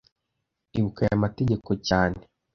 Ibuka aya mategeko cyane